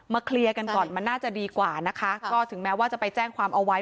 เคลียร์กันก่อนมันน่าจะดีกว่านะคะก็ถึงแม้ว่าจะไปแจ้งความเอาไว้